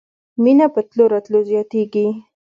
مينه په تلو راتلو زياتېږي.